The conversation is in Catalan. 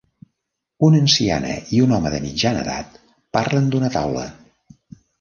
Una anciana i un home de mitjana edat parlen d'una taula.